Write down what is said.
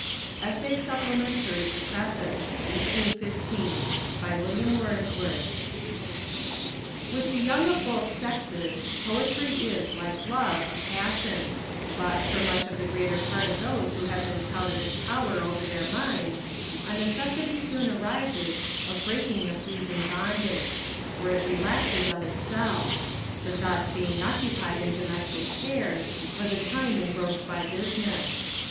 ] ESSAY SUPPLEMENTARY TO PREFACE (1815) With the young of both sexes, Poetry is, like love, a passion; but, for much the greater part of those who have been proud of its power over their minds, a necessity soon arises of breaking the pleasing bondage; or it relaxes of itself; the thoughts being occupied in domestic cares, or the time engrossed by business.